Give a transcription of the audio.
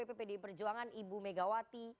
pdi perjuangan ibu megawati